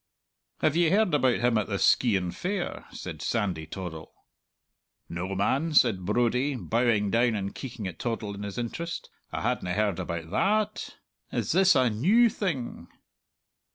"Have ye heard about him at the Skeighan Fair?" said Sandy Toddle. "No, man," said Brodie, bowing down and keeking at Toddle in his interest; "I hadna heard about tha at! Is this a new thing?"